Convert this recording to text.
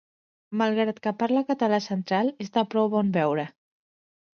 Malgrat que parla català central, és de prou bon veure.